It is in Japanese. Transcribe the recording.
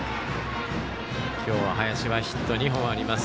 今日は林はヒット２本あります。